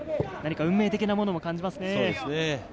運命的なものを感じますね。